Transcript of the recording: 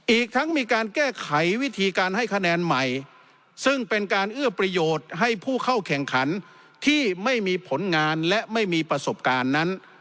อีกทั้งมีการแก้ไขวิธีการให้คะแนนใหม่ซึ่งเป็นการเอื้อประโยชน์ให้ผู้เข้าแข่งขันที่ไม่มีผลงานและไม่มีประสบการณ์นั้น